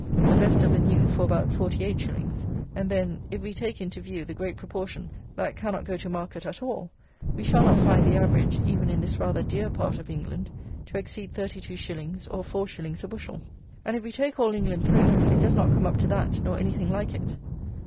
The best of the new for about 48_s._, and then, if we take into view the great proportion that cannot go to market at all, we shall not find the average, even in this rather dear part of England, to exceed 32_s._, or 4_s._ a bushel. And if we take all England through, it does not come up to that, nor anything like it.